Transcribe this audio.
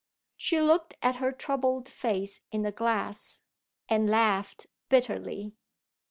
She looked at her troubled face in the glass and laughed bitterly.